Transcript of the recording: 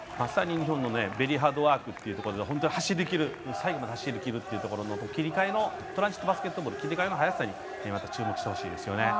日本のベリーハードワークというところで最後まで走りきるというところの切り替えのトランジットバスケットボール切り替えの速さに注目してほしいですね。